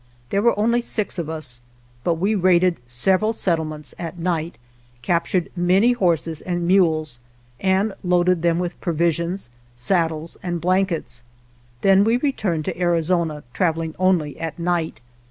There were only six of us, but we raided several settlements (at night), captured many horses and mules, and loaded them with provisions, saddles and blankets. Then we returned to Arizona, traveling only at night.